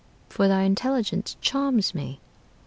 for thy intelligence charms me.'